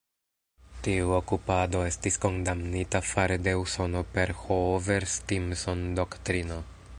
Tiu okupado estis kondamnita fare de Usono per Hoover-Stimson-Doktrino.